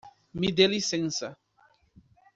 Me de licença!